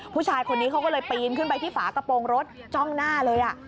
ผู้ชายคนนี้เขาก็เลยปีนขึ้นไปที่ฝากระโปรงรถจ้องหน้าเลย